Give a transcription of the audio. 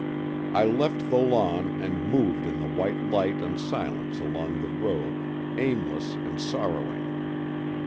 I left the lawn and moved in the white light and silence along the road, aimless and sorrowing.